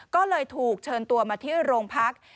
ก็เลยถูกเชิญตัวมาที่โรงพัก